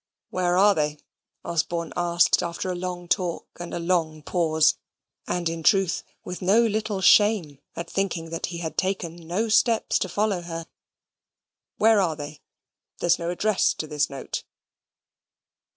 "Where are they?" Osborne asked, after a long talk, and a long pause and, in truth, with no little shame at thinking that he had taken no steps to follow her. "Where are they? There's no address to the note."